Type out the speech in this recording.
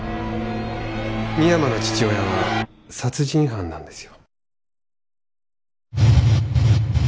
深山の父親は殺人犯なんですよ